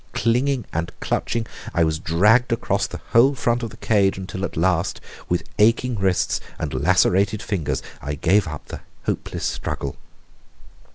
Clinging and clutching, I was dragged across the whole front of the cage, until at last, with aching wrists and lacerated fingers, I gave up the hopeless struggle.